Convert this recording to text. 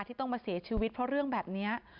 ที่ต้องมาเสียชีวิตเพราะเรื่องแบบนี้